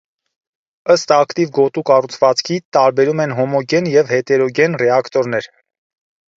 Ըստ ակտիվ գոտու կառուցվածքի՝ տարբերում են հոմոգեն և հետերոգեն ռեակտորներ։